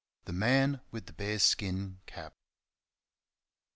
The Man with the Bear Skin Cap.